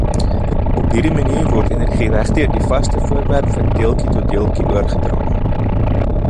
Op hierdie manier word energie regdeur die vaste voorwerp van deeltjie tot deeltjie oorgedra.